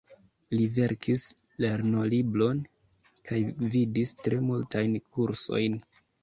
Li verkis lernolibron kaj gvidis tre multajn kursojn.